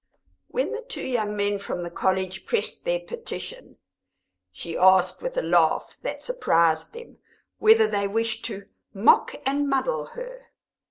When the two young men from the College pressed their petition, she asked, with a laugh that surprised them, whether they wished to "mock and muddle" her.